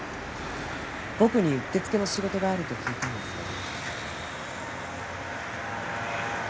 僕にうってつけの仕事があると聞いたんですが。